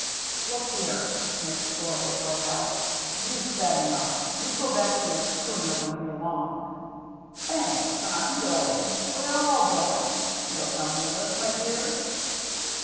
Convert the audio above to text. " Look here," McGlory broke out; "you've said enough. You go back to your schooner where you belong !" "Thanks, I'm going. We're all going. You'll come with us, my dear